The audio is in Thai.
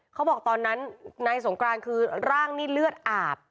ตอนนั้นนายสงกรานคือร่างนี่เลือดอาบ